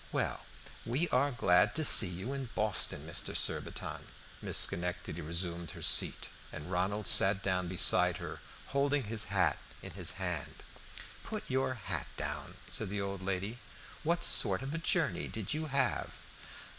"Well, we are glad to see you in Boston, Mr. Surbiton." Miss Schenectady resumed her seat, and Ronald sat down beside her, holding his hat in his hand. "Put your hat down," said the old lady. "What sort of a journey did you have?"